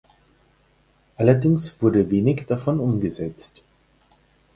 Allerdings wurde wenig davon umgesetzt.